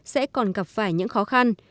nó còn gặp phải những khó khăn